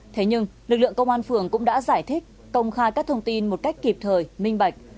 thế nhưng lực lượng công an phường cũng đã giải thích công khai các thông tin một cách kịp thời minh bạch